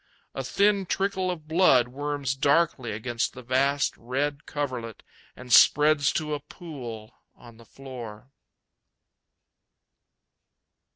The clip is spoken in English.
A thin trickle of blood worms darkly against the vast red coverlet and spreads to a pool on the floor.